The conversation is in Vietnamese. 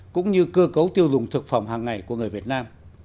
cũng như cơ cấu tiêu dùng thực phẩm hàng ngày của người việt nam